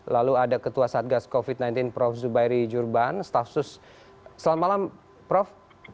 lalu ada ketua satgas covid sembilan belas prof zubairi jurban staf sus selamat malam prof